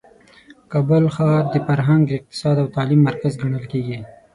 کابل ښار د فرهنګ، اقتصاد او تعلیم مرکز ګڼل کیږي.